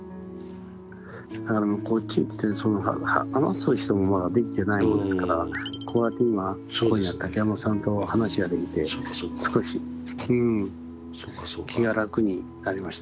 あのこっちへ来てその話す人もまだできてないもんですからこうやって今今夜竹山さんと話ができて少しうん気が楽になりました。